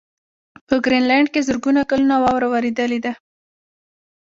په ګرینلنډ کې زرګونه کلونه واوره ورېدلې ده